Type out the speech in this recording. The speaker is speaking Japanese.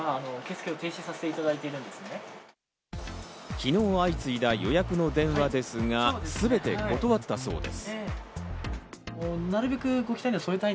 昨日相次いだ予約の電話ですが、全て断ったそうです。